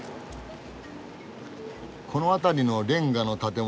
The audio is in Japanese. この辺りのレンガの建物